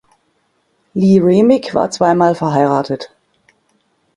Lee Remick war zweimal verheiratet.